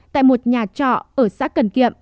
tại một nhà trọ ở xã cần kiệm